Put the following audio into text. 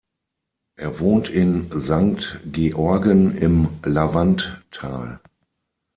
Er wohnt in Sankt Georgen im Lavanttal.